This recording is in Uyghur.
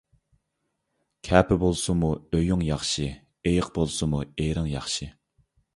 كەپە بولسىمۇ ئۆيۈڭ ياخشى، ئېيىق بولسىمۇ ئېرىڭ ياخشى.